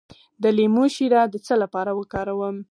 د لیمو شیره د څه لپاره وکاروم؟